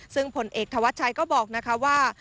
ซึ่งผลเอกธวัชชัยก็บอกนะคะว่า